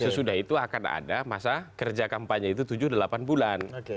sesudah itu akan ada masa kerja kampanye itu tujuh delapan bulan